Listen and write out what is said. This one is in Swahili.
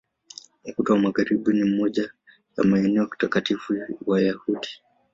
Ukuta wa Magharibi ni moja ya maeneo takatifu Wayahudi.